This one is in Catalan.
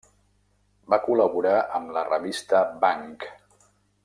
Va col·laborar amb la revista Bang!